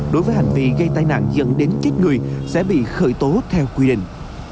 đối với hành vi gây tai nạn dẫn đến chết người sẽ bị khởi tố theo quy định